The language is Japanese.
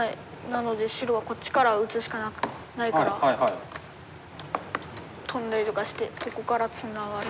なので白はこっちから打つしかないからトンだりとかしてここからツナがる。